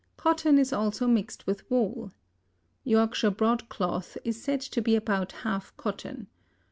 Cotton is also mixed with wool. Yorkshire broadcloth is said to be about half cotton.